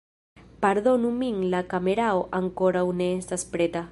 Pardonu min la kamerao ankoraŭ ne estas preta